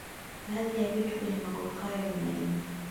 Baadhi ya vitu kwenye magofu hayo vinaibwa